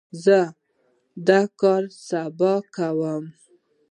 زه دا کار سبا کوم.